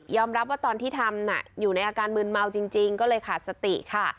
รับว่าตอนที่ทำอยู่ในอาการมืนเมาจริงก็เลยขาดสติค่ะ